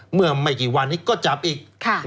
เมื่อไม่กี่วันนี้ก็จับอีก